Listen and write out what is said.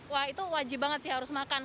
wah itu wajib banget sih harus makan